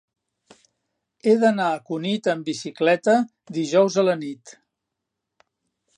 He d'anar a Cunit amb bicicleta dijous a la nit.